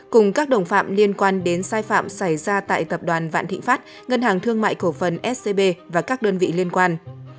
cùng các đồng phạm liên quan đến sai phạm xảy ra tại tập đoàn vạn thịnh pháp ngân hàng thương mại cổ phần scb và các đơn vị liên quan